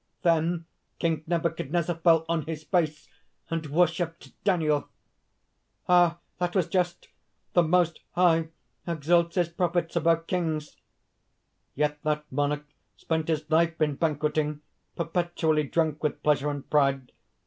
_) 'Then King Nabuchodonosor fell on his face, and worshipped Daniel....' "Ah! that was just! The Most High exalts his prophets above Kings; yet that monarch spent his life in banqueting, perpetually drunk with pleasure and pride.